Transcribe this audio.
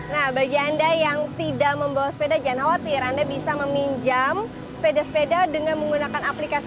nah bagi anda yang tidak membawa sepeda jangan khawatir anda bisa meminjam sepeda sepeda dengan menggunakan aplikasi